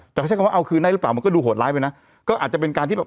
แต่เขาใช้คำว่าเอาคืนได้หรือเปล่ามันก็ดูโหดร้ายไปนะก็อาจจะเป็นการที่แบบ